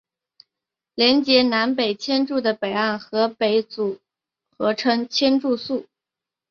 连结南北千住的北岸的北组合称千住宿。